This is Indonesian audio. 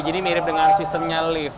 jadi mirip dengan sistemnya lift